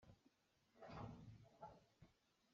Zeite ah a ka rel lo.